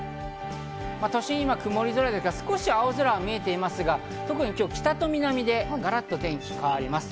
都心は今、曇り空、少し青空も見えていますが、今日は北と南でガラっと天気は変わります。